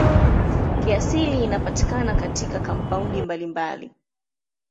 Kiasili inapatikana katika kampaundi mbalimbali.